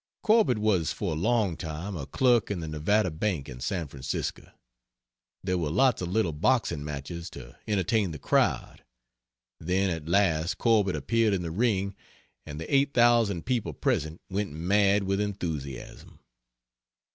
Corbett was for a long time a clerk in the Nevada Bank in San Francisco. There were lots of little boxing matches, to entertain the crowd: then at last Corbett appeared in the ring and the 8,000 people present went mad with enthusiasm.